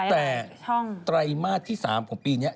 แต่ไตรมาสที่๓ของปีนี้